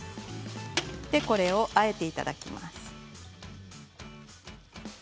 これを、あえていただきます。